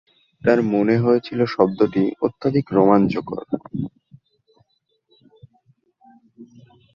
তাঁর মনে হয়েছিল, শব্দটি অত্যধিক রোমাঞ্চকর।